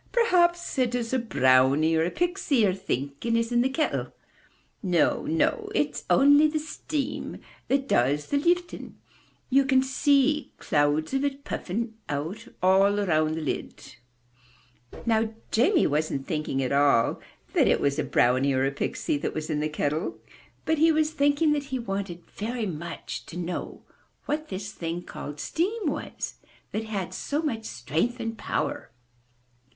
"Perhaps it's a brownie or a pixie you*re thinking is in the kettle! No, no! It*s only the steam that does the lifting! You can see little clouds of it puffing out all around the lid. Now Jamie wasn't thinking at all that it was a brownie or a pixie that was in the kettle. But he was thinking that he wanted very much to know what 152 UP ONE PAIR OF STAIRS this thing called steam was, that had so much strength and power.